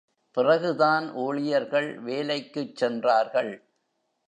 பிறகுதான் ஊழியர்கள் வேலைக்குச் சென்றார்கள்.